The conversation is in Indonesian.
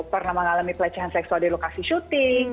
pernah mengalami pelecehan seksual di lokasi syuting